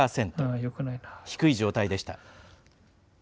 低い状態でした。